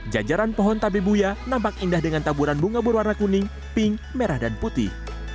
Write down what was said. jajaran pohon tabebuya nampak indah dengan taburan bunga berwarna kuning pink merah dan putih